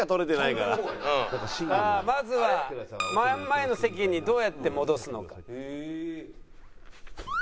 さあまずは真ん前の席にどうやって戻すのか。